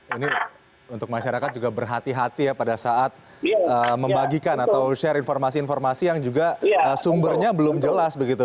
ini untuk masyarakat juga berhati hati ya pada saat membagikan atau share informasi informasi yang juga sumbernya belum jelas begitu